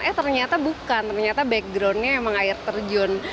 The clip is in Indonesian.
eh ternyata bukan ternyata backgroundnya emang air terjun